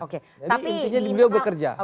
jadi intinya beliau bekerja